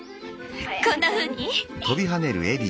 こんなふうに？